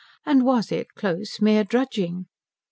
And was it, close, mere drudging?